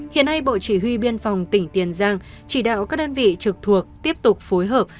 hiện nay bộ chỉ huy biên phòng tỉnh tiền giang chỉ đạo các đơn vị trực thuộc tiếp tục phối hợp